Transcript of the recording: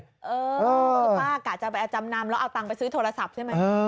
คือป้ากะจะไปเอาจำนำแล้วเอาตังค์ไปซื้อโทรศัพท์ใช่ไหม